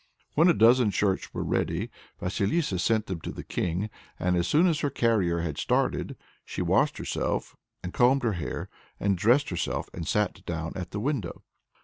When a dozen shirts were ready, Vasilissa sent them to the king, and as soon as her carrier had started, "she washed herself, and combed her hair, and dressed herself, and sat down at the window."